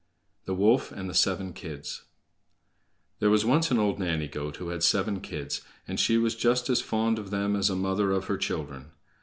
The Wolf and the Seven Kids There was once an old nanny goat who had seven kids, and she was just as fond of them as a mother of her children.